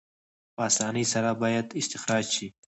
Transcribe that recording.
په اسانۍ سره باید استخراج شي.